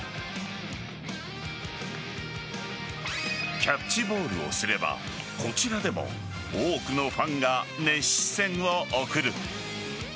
キャッチボールをすればこちらでも多くのファンが熱視線を送る。